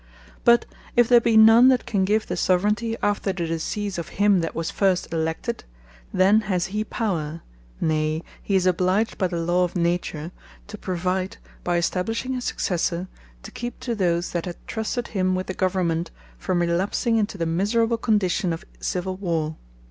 But if there be none that can give the Soveraigntie, after the decease of him that was first elected; then has he power, nay he is obliged by the Law of Nature, to provide, by establishing his Successor, to keep those that had trusted him with the Government, from relapsing into the miserable condition of Civill warre.